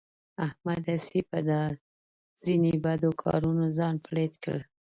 احمد هسې په دا ځنې بدو کارونو ځان پلیت کړ.